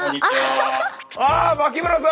あ脇村さん！